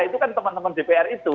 itu kan teman teman dpr itu